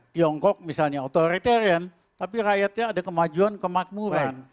tiongkok misalnya authoritarian tapi rakyatnya ada kemajuan kemakmuran